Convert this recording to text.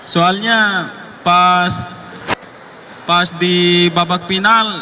soalnya pas di babak final